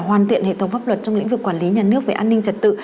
hoàn thiện hệ thống pháp luật trong lĩnh vực quản lý nhà nước về an ninh trật tự